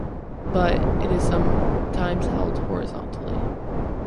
But, it is sometimes held horizontally.